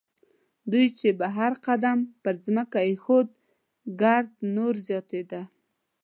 دوی چې به هر قدم پر ځمکه اېښود ګرد نور زیاتېده.